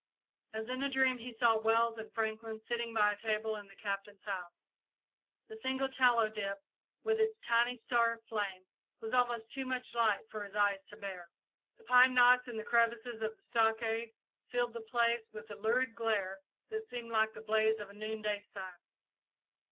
As in a dream he saw Wells and Franklin sitting by a table in the Captain's house. The single tallow dip, with its tiny star of flame, was almost too much light for his eyes to bear. The pine knots in the crevices of the stockade filled the place with a lurid glare that seemed like the blaze of a noonday sun.